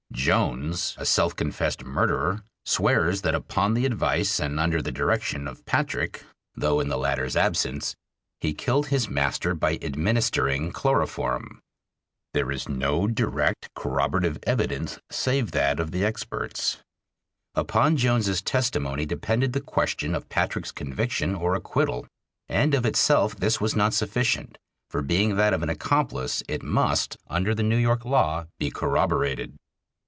Jones, a self confessed murderer, swears that upon the advice and under the direction of Patrick (though in the latter's absence) he killed his master by administering chloroform. There is no direct corroborative evidence save that of the experts. Upon Jones's testimony depended the question of Patrick's conviction or acquittal, and of itself this was not sufficient, for being that of an accomplice it must, under the New York law, be corroborated.